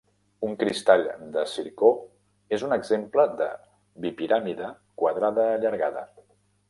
Un cristall de zircó és un exemple de bipiràmide quadrada allargada.